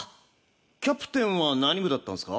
キャプテンは何部だったんすか？